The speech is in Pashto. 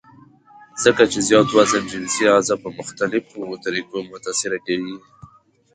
ځکه چې زيات وزن جنسي اعضاء پۀ مختلفوطريقو متاثره کوي -